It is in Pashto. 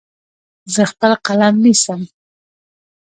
زه خپل قلم نیسم.